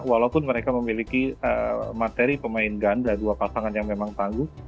walaupun mereka memiliki materi pemain ganda dua pasangan yang memang tangguh